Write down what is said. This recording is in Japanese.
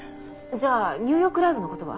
じゃあニューヨークライブの事は？